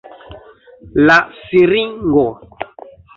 La siringo.